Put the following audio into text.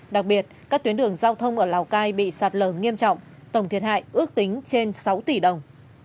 đặc biệt các tuyến đường giao thông ở lào cai bị sạt lở nghiêm trọng tổng thiệt hại ước tính trên sáu tỷ đồng